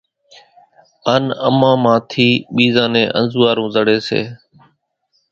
ان امان مان ٿي ٻيزان نين انزوئارون زڙي،